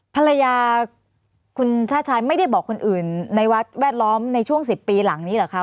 ภรรยาคุณชาติชายไม่ได้บอกคนอื่นในวัดแวดล้อมในช่วง๑๐ปีหลังนี้เหรอคะ